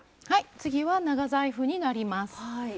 次は長財布になります。